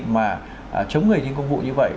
mà chống người trên công vụ như vậy